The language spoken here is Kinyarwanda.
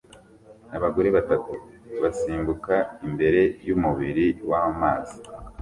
Abagore batatu basimbuka imbere yumubiri wamazi